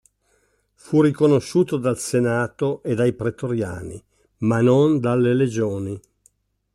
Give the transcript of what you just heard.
Fu riconosciuto dal Senato e dai pretoriani ma non dalle legioni.